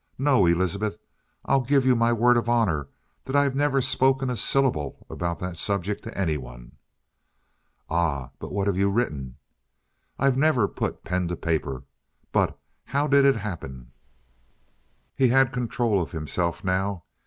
No, Elizabeth, I'll give you my word of honor that I've never spoken a syllable about that subject to anyone!" "Ah, but what have you written?" "I've never put pen to paper. But how did it happen?" He had control of himself now.